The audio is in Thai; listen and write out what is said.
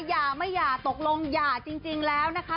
อย่าไม่หย่าตกลงหย่าจริงแล้วนะคะ